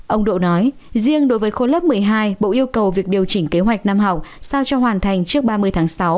ông độ nói riêng đối với khối lớp một mươi hai bộ yêu cầu việc điều chỉnh kế hoạch năm học sao cho hoàn thành trước ba mươi tháng sáu